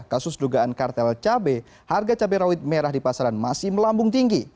kasus dugaan kartel cabai harga cabai rawit merah di pasaran masih melambung tinggi